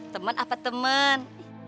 teman apa teman